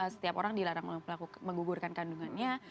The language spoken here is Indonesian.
setiap orang dilarang menggugurkan kandungannya